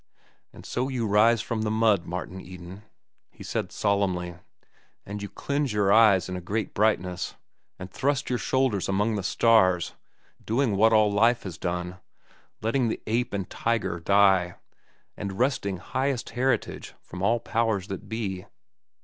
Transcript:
"And so you arise from the mud, Martin Eden," he said solemnly. "And you cleanse your eyes in a great brightness, and thrust your shoulders among the stars, doing what all life has done, letting the 'ape and tiger die' and wresting highest heritage from all powers that be."